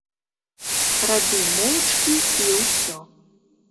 Рабі моўчкі, і ўсё.